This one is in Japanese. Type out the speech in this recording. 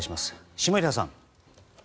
下平さん。